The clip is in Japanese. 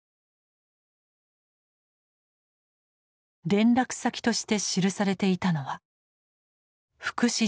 連絡先として記されていたのは福祉事務所。